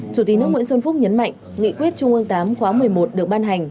chủ tịch nước nguyễn xuân phúc nhấn mạnh nghị quyết trung ương viii khóa một mươi một được ban hành